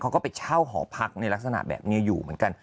เขาก็ไปเช่าหอพักในลักษณะแบบนี้อยู่เหมือนกัน